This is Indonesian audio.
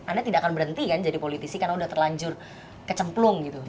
anda tidak akan berhenti kan jadi politisi karena udah terlanjur kecemplung gitu